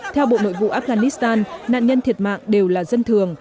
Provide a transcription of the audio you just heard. theo bộ nội vụ afghanistan nạn nhân thiệt mạng đều là dân thường